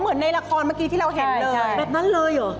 ในละครเมื่อกี้ที่เราเห็นเลยแบบนั้นเลยเหรอ